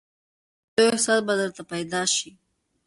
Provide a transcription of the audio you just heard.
د پورته کېدو احساس به درته پیدا شي !